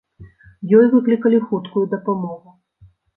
Ёй выклікалі хуткую дапамогу.